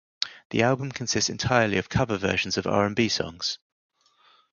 The album consists entirely of cover versions of R and B songs.